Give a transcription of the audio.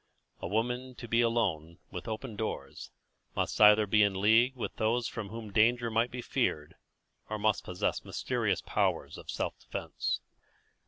A woman to be alone, with open doors, must either be in league with those from whom danger might be feared, or must possess mysterious powers of self defence.